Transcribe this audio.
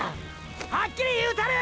はっきり言うたる！